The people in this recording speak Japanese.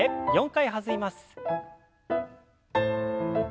４回弾みます。